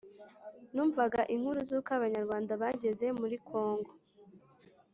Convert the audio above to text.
numvaga inkuru zuko abanyarwanda bageze muri congo